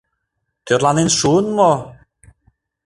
Тӧрланен шуын мо?